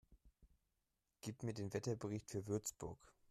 Gib mir den Wetterbericht für Würzburg